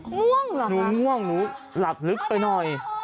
ง่วงเหรอหนูง่วงหนูหลับลึกไปหน่อย